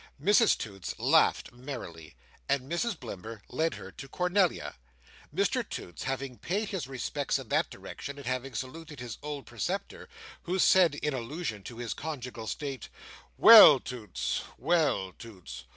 Mrs Toots laughed merrily, and Mrs Blimber led her to Cornelia. Mr Toots having paid his respects in that direction and having saluted his old preceptor, who said, in allusion to his conjugal state, "Well, Toots, well, Toots!